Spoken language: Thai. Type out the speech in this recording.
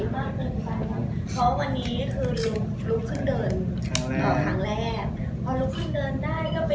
เพราะวันนี้คือลูกขึ้นเดินนอกครั้งแรก